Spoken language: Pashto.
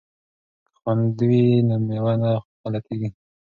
که خوند وي نو مېوه نه غلطیږي.